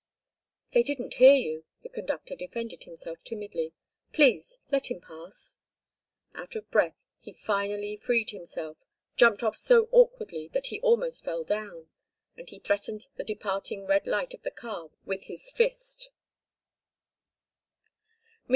"They didn't hear you," the conductor defended himself timidly. "Please, let him pass." Out of breath, he finally freed himself, jumped off so awkwardly that he almost fell down and he threatened the departing red light of the car with his fist.